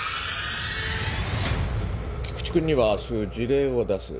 菊池くんには明日辞令を出す。